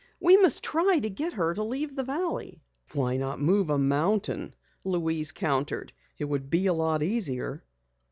We must try to get her to leave the valley." "Why not move a mountain?" Louise countered. "It would be a lot easier."